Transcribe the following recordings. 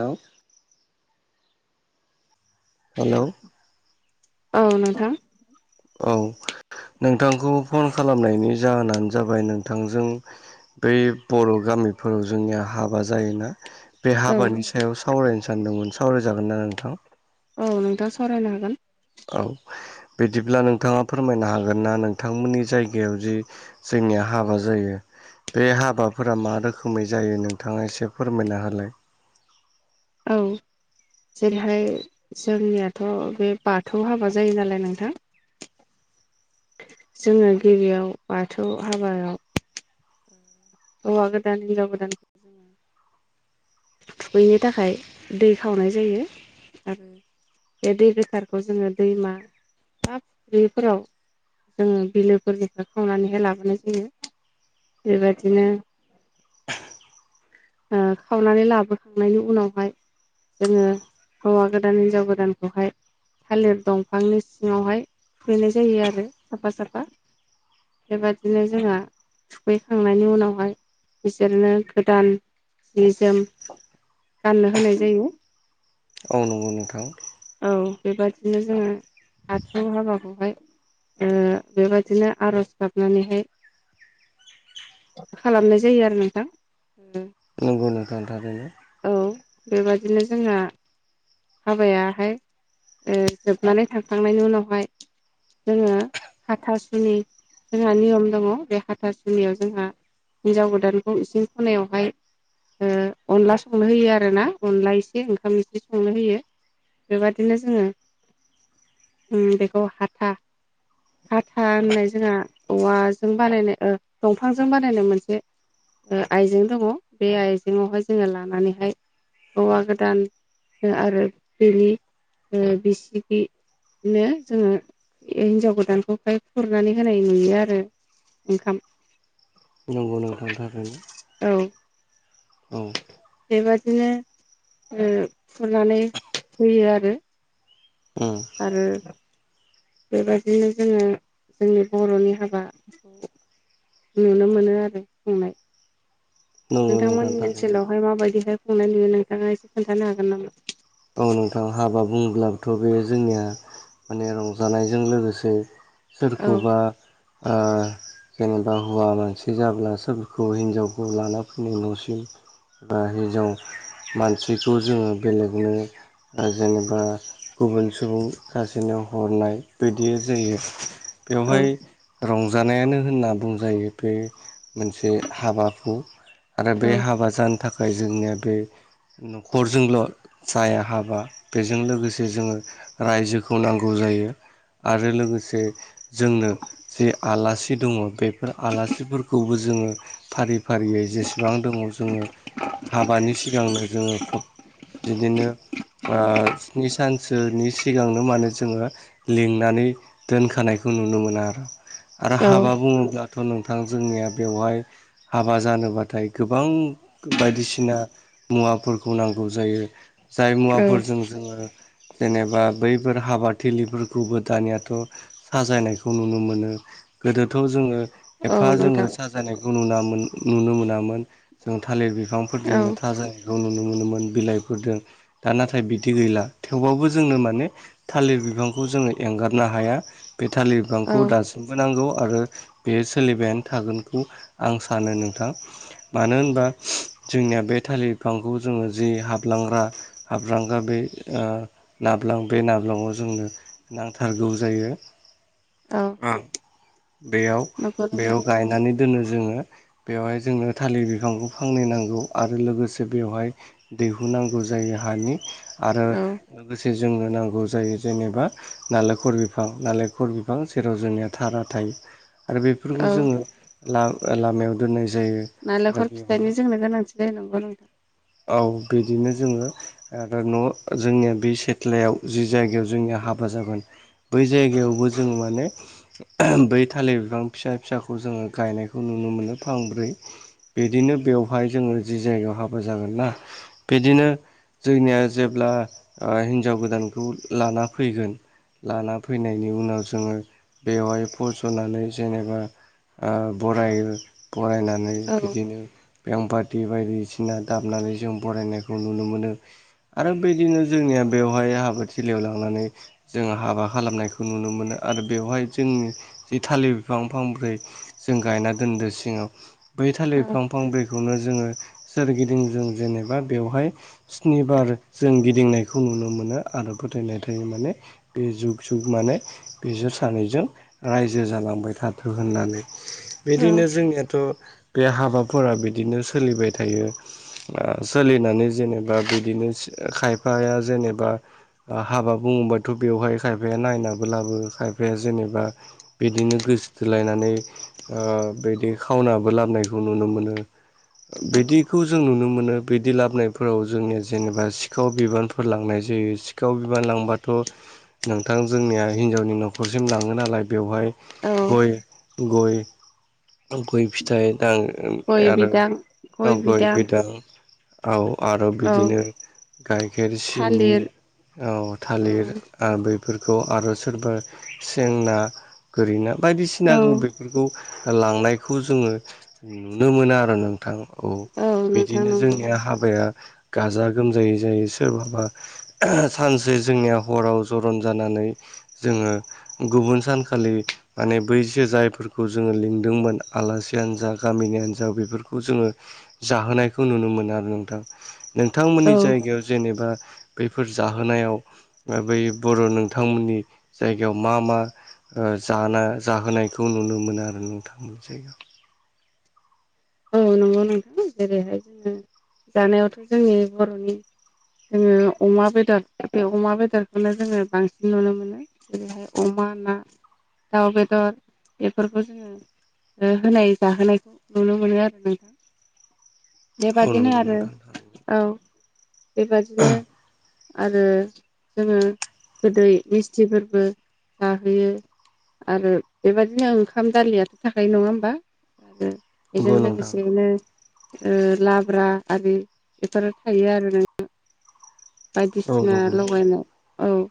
औ हेल औ नोंथां औ नोंथांखौ फन खालामनायनि जाहोनानो जाबाय नोंथांजों बै बर' गामिफोराव जोंनिया हाबा जायोना बे औ हाबानि सायाव सावरायनो सानदोंमोन सावरायजागोन ना नोंथां औ नोंथां सावरायनो हागोन औ बिदिब्ला नोंथाङा फोरमायनो हागोन ना नोंथांमोननि जायगायाव जि जोंनिया हाबा जायो बे हाबाफोरा मा रोखोमै जायो नोंथाङा एसे फोरमायना होलाय औ [inaudible] जेरैहाय जोंनियाथ' बे बाथौ हाबा जायो नालाय नोंथां [inaudible] जोङो गिबियाव बाथौ हाबायाव होवा गोदान हिनजाव गोदान थुखैनो थाखाय दै खावनाय जायो आ बे दै गोथारखौ जोङो दैमा बा [unintelligible] फोराव जों बिलोफोरनिफ्राय खावनानैहाय लाबोनाय जायो बेबायदिनो ओ खावनानै लाबोखांनायनि उनावहाय जोङो हौवा गोदान हिनजाव गोदानखौहाय थालिर दंफांनि सिङावहाय थुखैनाय जायो आरो साफा साफा। बेबायदिनो जोंहा थुखैखांनायनि उनाव हाय बिसोरनो गोदान जि जोम गाननो होनाय जायो। औ नंगौ नोंथां। औ बेबादिनो जोङो बाथौ हाबाखौ हाय ओ बेबायदिनो आरज गाबनानै हाय खालामनाय जायो आरो नोंथां। नंगौ नोंथां थारैनो औ बेबादिनो जोंहा हाबायाहाय ओ जोबनानै थांखांनायनि उनाव हाय जोङो हाथासुनि जोंहा नियम दङ बे हाथासुनियाव जोंहा हिनजाव गोदानखौ इसिं खनायाव हाय अनला संनो होयो आरोना अनला एसे ओंखाम इसे संनो होयो। बेबादिनो जोङो उम बेखौ हाथा हाथा होननाय जोंहा औवाजों बानायनाय ओ दंफांजों बानायनाय मोनसे ओ आइजें दङ बे आइजेंआव हाय जोङो लानानैहाय हौवा गोदान ओ आरो बिनि ओ बिसिगि बिदिनो जोङो ए हिनजाव गोदानखौहाय खुरनानै होनाय नुयो आरो। ओंखाम नंगौ नोथां थाखायनो औ औ बेबादिनो ओ खुरनानै होयो आरो आरो बेबादिनो जोङो जोंनि बर'नि हाबा नुनो मोनो आरो खुंनाय नंगौ नोंथां नोंथांमोननि थारैनो ओनसोलाव हाय माबायदि हाय खुंनाय नुयो नोंथाङा एसे खोनथानो हागोन नामा? औ नोंथां हाबा बुंब्लाबोथ बे जोंनिया माने रंजानायजों लोगोसे औ सोरखौबा ओ जेनेबा हौवा मानसि जाब्ला सोरखौ हिनजावखौ लाना फैनाय नसिम बा हिनजाव मानसिखौ जोङो बेलेगनो ओ जेनेबा गुबुन सुंबुं सासेनो हरनाय बिदि जायो औ बेवहाय रंजानायानो होनना बुंजायो बे मोनसे हाबा हु आरो औ बे हाबा जान थाखाय जोंनिया बे नखरजोंल जाया हाब ओ बेजों लोगोसे जोङो रायजोखौ नांगौ जायो। आरो लोगोसे जोंनो जे आलासि दङ बेफोर आलासिफोरखौबो जोङो फारि फारियै जेसेबां दङ जोङो। हाबानि सिगांनो जोङो खुब बिदिनो ओ स्नि सानसोनि सिगांनो मानोे जोङो। लिंनानै दोनखानायखौ नुनो मोनो आरो आरो औ हाबा बुङोब्ला थ' नोंथां जोंनिया बेवहाय हाबा जानोबाथाय गोबां बायदिसिना। मुवाफोरखौ नांगौ जायो जाय औ मुवाफोरजों जोङो जेनेबा बैफोर हाबा थिलिफोरखौबो दानियाथ'। साजायनायखौ नुनो मोनो गोदोथ जोङो। औ एफा जोङो नोंथां साजानायखौ नुनामोन नुनो मोनामोन जों थालिर बि औ बिफांफोरजोंनो थाजानायखौ नुनो मोनोमोन बिलाइफोरजों। दा नाथाय बिदि गैला थेवबाबबो जोंनो माने थालिर बिफांखौ जोङो एंगारनो हाया। बे थालिर औ बिफांखौ दासिम बोनांगौ आरो बेयो सोलिबायानो थागोनखौ आं सानो नोंथां। मानो होनबा जोंनिया बे थालिर बिफांखौ जोङो जि हाबलांग्रा हाब्रांगा बे ओ नाब्लां बे नाब्लङाव जोंनो नांथारगौ जायो औ ओ नंगौ नोंथां बेयाव-बेयाव गाय नानै दोनो जोङो। बेवहाय जोंनो थालिर बिफांखौ फाननै नांगौ आरो लोगोसे बेवहाय दैहुनांगौ जायो हानि आरो। औ लोगोसे जोंनो नांगौ जायो जेनेबा नालेंखर बिफां नालेंखर फां जेराव जोंनिया थारा थायो। आरो बेफोरखौ औ जोङो लामायाव दोननाय जायो। आरो नालेंखर बेयाव फिथाइनि जोंनो गोनांथि जायो नंगौ नोंथां। औ बिदिनो जोङो आरो न' जोंनिया बे सेटलायाव जि जायगायाव जोंनिया हाबा जागोन। बै जायगायावबो जों माने बै थालिर बिफां फिसा-फिसा खौ जोङो गायनायखौ नुनो मोनो फांब्रै। बिदिनो बेवहाय जोङो जि जायगायाव हाबा जागोन ना बिदिनो जोंनिया जेब्ला ओ हिनजाव गोदानखौ लाना फैगोन। लाना फैनायनि उनाव जोङो बेवहाय फज'नानै जेनेबा ओ बरायो बरायनानै औ बिदिनो बेंपारटि बायदिसिना दामनानै जों बरायनायखौ नुनो मोनो। आरो बेदिनो जोंनिया बेवहाय हाबाद थलियाव लांनानै जोङो हाबा खालामनायखौ नुनो मोनो आरो बेवहाय जोंनि जि थालिर बिफांब्रै जों गायना दोन्दो सिङाव। बै थालिर औ बिफां फांब्रैखौनो जोङो सोरगिदिं जों जेनेबा बेवहाय। स्निबार जों गिदिंनायखौ नुनो मोनो आरो फोथायनाय थायो। माने बे जुग-जुग माने बिसोर सानैजों रायजो जालांबाय थाथो होननानै। औ बिदिनो जोंनियाथ' बे हाबाफोरा बिदिनो सोलिबाय थायो ओ सोलिनानै जेने बा बिदिनो सि खायफाया जेनेबा आ हाबा बुङोबाथ' बेवहाय खायफाया नायनाबोलाबो खायफाया जेनेबा बिदिनो गोसोथोलायनानै। ओ बिदि खावनाबो लाबोनायखौ नुनो मोनो। बिदिखौ जों नुनो मोनो बिदि लाबोनफोराव जोंनिया जेनेबा सिखाव बिबानफोर लांनाय जायो। सिखाव बिबान लांबाथ' नोंथां जोंनिया हिनजावनि न'खरसिम लाङो नालाय। बेवहाय औ गय गय गय फिथाइ दां ओम आरो औ गय बिदां औ आरो औ बिदिनो गाइखेर सिनि थालिर औ औ थालिर आ बेफोरखौ आरो सोरबा सेंना गोरिना बायदिसिनाखौ बे औ फोरखौ लांनायखौ जोङो नुनो मोनो आरो नोंथां। औ नोंथां बिदिनो नंगौ जोंनिया हाबाया गाजा गोमजायै जायो सोरबाबा सानसे जोंनिया हराव जरन जानानै जोङो गुबुन सानखालि माने बैसो जायफोरखौ जोङो लिंदोंमोन आलासियानो जा गामिनि हान्जा बेफोरखौ जोङो जाहोनायखौ नुनो मोनो आरो नोंथां। नोंथांमोननि औ जायगायाव जेनेबा बेफोर जाहोनायाव ओ बै बर' नोंथांमोननि जायगायाव मा मा ओ जाना जाहोनायखौ नुनो मोनो आरो नोंथांमोन जायगाव? औ नंगौ नोंथां जेरै'हाय जोङो जानायावथ' जोंनि बर'नि जोङो अमा बेदर बे अमा बेदरखौनो जोङो बांसिन नुनो मोनो। जेरैहाय अमा, ना, दाउ बेदर बेफोरखौ जोङो ओ होनाय जाहोनायखौ नुनो मोनो आरो नोंथां। औ बेबादिनो नंगौ आरो नोंथां थारैनो। औ बेबादिनो आरो जोङो गोदै मिस्थिफोरबो जाहोयो। आरो बेबायदिनो ओंखाम दालियाथ' थाखायो नङा होमबा? ओ बेजों नंगौ नोंथां लोगोसेनो ओ लाब्रा आरि बेफोरो थायो आरो नोंथां। औ बायदिसिना नंगौ नोंथां लगायनाय औ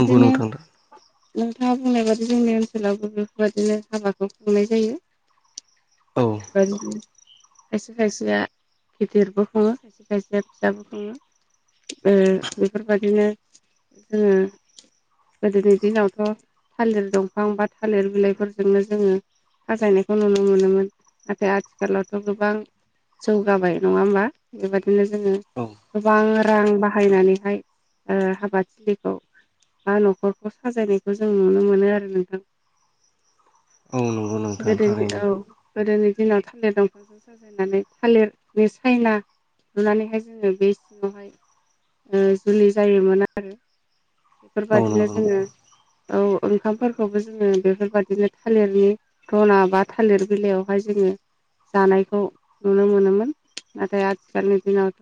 नंगौ नोंथां नोंथाङा बुंनाय बादि जोंनि ओनसोलावबो बेफोरबायदिनो हाबाखौ खुंनाय जायो। औ। बेदिनो खायसे खायसेया गिदिरबो खुङो खायसे खायसेया फिसाबो खुङो ओ बेफोर बायदिनो जोङो गोदोनि दिनावथ' थालिर दंफां बा थालिर बिलाइफोरजोंनो जोङो साजायनायखौ नुनो मोनोमोन। नाथाय आथिखालावथ' गोबां जौगाबाय नङा होमबा? बेबादिनो जोङो औ गोबां रां बाहायनानैहाय ओ हाबा थिलि औ बा न'खरखौ साजायनायखौ जों नुनो मोनो आरो नोंथां। औ नंगौ नोंथां गोदोनि थारैनो औ गोदोनि दिनाव थालिर दं साजायनानै थालिरनि सायना लुनानैहाय जोङो बे सिङावहाय ओ जुलि जायोमोन आरो। औ बेफोरबायदिनो नंगौ जोङो नोंथां औ ओंखामफोरखौबो जोङो बेफोरबायदिनो थालिरनि दना बा थालिर बिलाइयावहाय जोङो जानायखौ नुनो मोनोमोन। नाथाय आथिखालनि दिनाव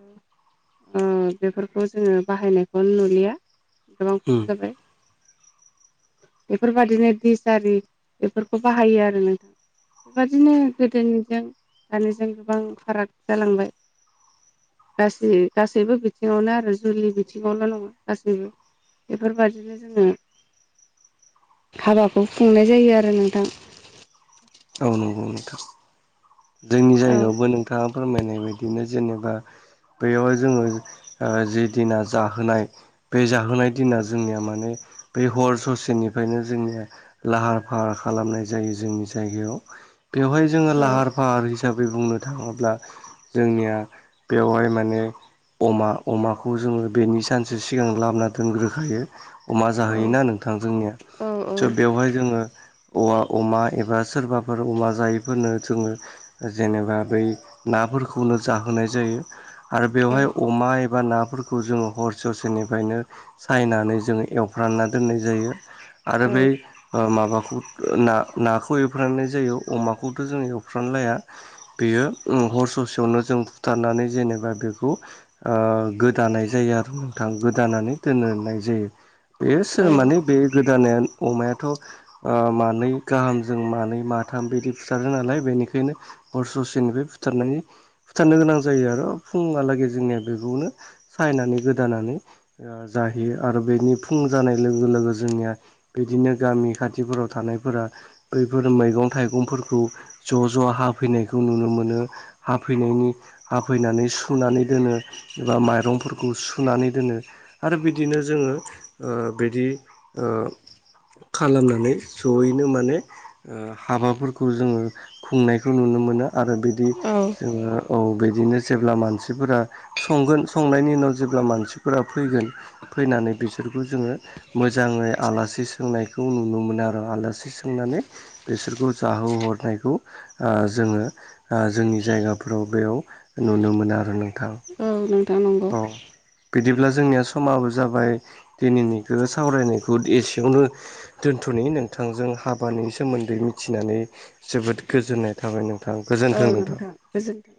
ओ बेफोरखौ जोङो बाहायनायखौनो नुलिया गोबां खम उम जाबाय। बेफोर बायदिनो दिस आरि बेफोरखौ बाहायो आरो नोंथां। बेबादिनो गोदोनिजों दानिजों गोबां फाराग जालांबाय। गासै गासैबो बिथिङावनो आरो जुलि बिथिङावल' नङा गासैबो बेफोरबायदिनो जोङो हाबाखौ औ नंगौ नोंथां जोंनि औ जायगायावबो नोंथाङा फोरमायनाय बायदिनो जेनेबा बेयावहाय जोङो ओ जि दिना जाहोनाय बे जाहोनाय दिना जोंनिया माने बे हर ससेनिफायनो जोंनिया लाहार-फाहार खालामनाय जायो जोंनि जायगायाव बेवहाय जोङो औ लाहार-फाहार हिसाबै बुंनो थाङोब्ला जोंनिया बेवहाय माने अमा अमाखौ जोङो बेनि सानसे सिगां लाबोना दोनग्रोखायो। अमा औ जाहैयोना नोंथां जोंनिया। औ स' बेवहाय जोङो औवा अमा एबा सोरबाफोर अमा जायैफोरनो जोङो जेनेबा बै नाफोरखौनो जाहोनाय जायो। आरो बेवहाय अमा एबा नाफोरखौ बेखौ जोङो हरसे ससेनिफ्रायनो सायनानै जोङो एवफ्रानना दोननाय जायो। आरो बै माबाखौ नाखौ एवफ्राननाय जायो अमाखौथ' जोंङ एवफ्रान लाया। बेयो हर ससेयावनो जों बुथारनानै जेनेबा बेखौ गोदानाय जायो आरो नोंथाङा ओ गोदानानै दोननाय जायो। बेस औ माने बे गोदान अमायाथ' मानै गाहामजों मानै माथाम बिदि फुथारो नालाय बेनिखायनो हर सासेनिफ्राय बुथारनाय जा फुथारनो गोनां जायो आरो फुुंहालागै जोंनिया बेखौनो सायनानै गोदानानै जाहैयो आरो बेनि फुं जानाय लोगो लोगो जोंनिया बिदिनो गामि खाथिफोराव थानायफोरा बैफोर मैगं थाइगंफोरखौ ज' ज' हाफैनायखौ नुनो मोनो हाफैनायनि हाफैनानै सुनानै दोनो एबा माइरंफोरखौ सुनानै दोनो आरो बिदिनो जोङो बिदि खालामनानै जयैनो माने हाबाफोरखौ जोङो खुंनाय बेखौ नुनो मोनो आरो बिदि औ जोङो औ बिदिनो जेब्ला मानसिफोरा संगोन संनायनि उनाव जेब्ला मानसिफोरा फैगोन फैनानै बिसोरखौ जोङो मोजाङै आलासि सोंनायखौ नुनो मोनो आरो आलासि सोंनानै बेसोरखौ जाहोहरनायखौ जोङो जोंनि जायगाफोराव बेयाव नुनो मोनो आरो नोंथां औ नोंथां नंगौ औ बिदिब्ला जोंनिया समाबो जाबाय दिनैनिखौ सावरायनायखौ एसेयावनो दोनथ'नि नोंथांजों हाबानि सोमोन्दै मिथिनानै जोबोद गोजोननाय थाबाय नोंथां औ गोजोन्थों नोंथां गोजोनथों